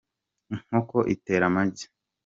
inkoko itera amagi